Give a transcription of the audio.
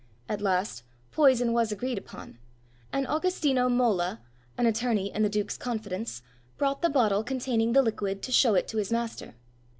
At last, poison was agreed upon, and Augustino Molla, an attorney in the duke's confidence, brought the bottle containing the liquid to shew it to his master.